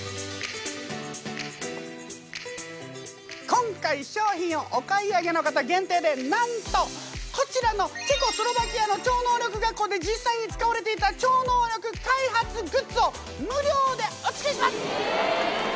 今回商品をお買い上げの方限定でなんとこちらのチェコスロバキアの超能力学校で実際に使われていた超能力開発グッズを無料でおつけします！